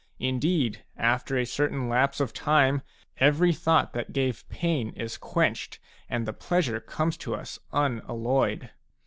Indeed, after a certain lapse of time, every thought that gave pain is quenched, and the pleasure comes to us unalloyed.